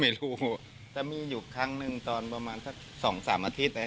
ไม่รู้แต่มีอยู่ครั้งหนึ่งตอนประมาณสัก๒๓อาทิตย์